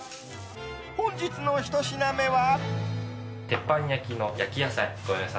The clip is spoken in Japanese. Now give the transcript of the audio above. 本日のひと品目は。